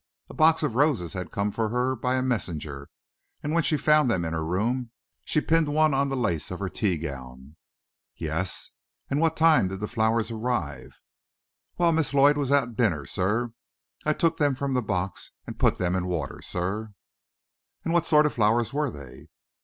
A box of roses had come for her by a messenger, and when she found them in her room, she pinned one on the lace of her teagown." "Yes? And what time did the flowers arrive?" "While Miss Lloyd was at dinner, sir. I took them from the box and put them in water, sir." "And what sort of flowers were they?"